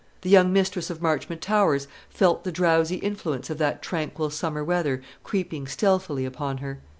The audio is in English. The young mistress of Marchmont Towers felt the drowsy influence of that tranquil summer weather creeping stealthily upon her.